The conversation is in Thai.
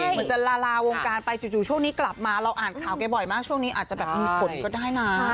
เหมือนจะลาลาวงการไปจู่ช่วงนี้กลับมาเราอ่านข่าวแกบ่อยมากช่วงนี้อาจจะแบบมีผลก็ได้นะ